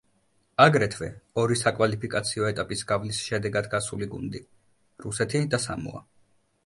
აგრეთვე ორი საკვალიფიკაციო ეტაპის გავლის შედეგად გასული გუნდი, რუსეთი და სამოა.